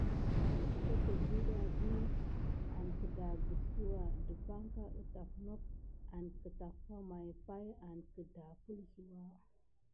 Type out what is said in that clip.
Soko diɗa vi an kəgəksouwa dəpaŋka ətaf nok an kətafwa may pay an kəpelsouwa.